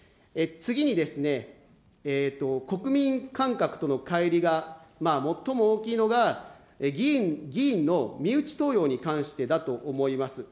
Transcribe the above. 次に、国民感覚とのかい離が最も大きいのが、議員の身内登用に関してだと思います。